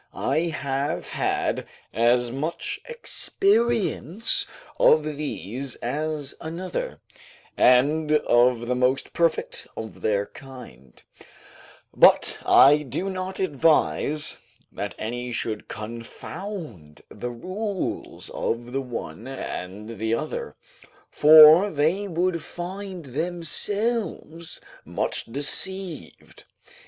I have had as much experience of these as another, and of the most perfect of their kind: but I do not advise that any should confound the rules of the one and the other, for they would find themselves much deceived.